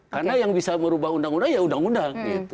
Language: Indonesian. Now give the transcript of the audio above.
karena yang bisa merubah undang undang ya undang undang